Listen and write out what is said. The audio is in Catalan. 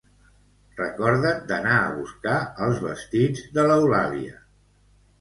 Recorda't d'anar a buscar els vestits de l'Eulàlia